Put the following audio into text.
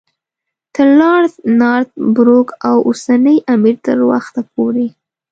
تر لارډ نارت بروک او اوسني امیر تر وخته پورې.